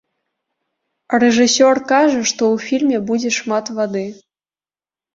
Рэжысёр кажа, што ў фільме будзе шмат вады.